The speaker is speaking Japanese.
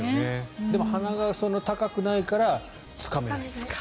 でも鼻がそんなに高くないからつかめない。